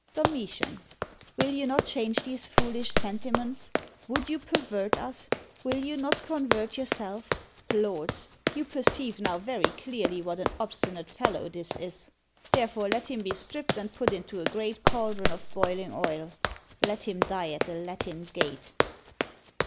DOMITIAN. Will you not change these foolish sentiments? Would you pervert us? Will you not convert yourself? Lords! you perceive now very clearly what an obstinate fellow this is! Therefore let him be stripped and put into a great caldron of boiling oil. Let him die at the Latin Gate.